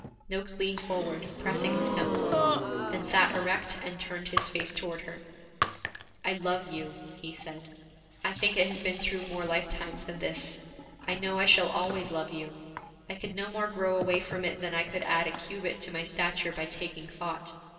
Noakes leaned forward, pressing his temples; then sat erect and turned his face toward her. 'I love you,' he said. 'I think it has been through more lifetimes than this; I know I shall always love you. I could no more grow away from it than I could add a cubit to my stature by taking thought.